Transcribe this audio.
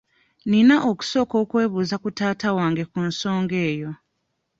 Nina okusooka okwebuuza ku taata wange ku nsonga eyo.